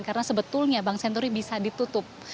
karena sebetulnya bank senturi bisa ditutup